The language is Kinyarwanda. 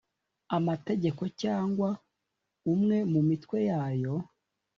Amategeko cyangwa umwe mu Mitwe yayo